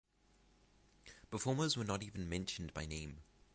Performers were not even mentioned by name.